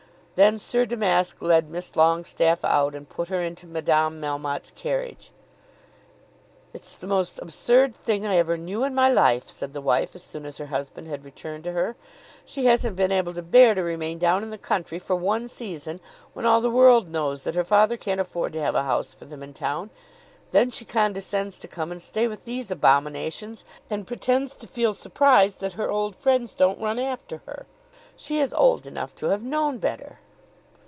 Then Sir Damask led Miss Longestaffe out, and put her into Madame Melmotte's carriage. "It's the most absurd thing I ever knew in my life," said the wife as soon as her husband had returned to her. "She hasn't been able to bear to remain down in the country for one season, when all the world knows that her father can't afford to have a house for them in town. Then she condescends to come and stay with these abominations and pretends to feel surprised that her old friends don't run after her. She is old enough to have known better."